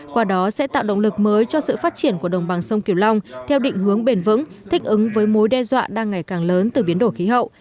qua đó sẽ tạo động lực mới cho sự phát triển của đồng bằng sông kiều long theo định hướng bền vững thích ứng với mối đe dọa đang ngày càng lớn từ biến đổi khí hậu